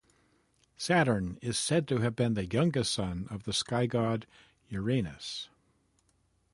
Saturn is said to have been the youngest son of the sky-god Uranus.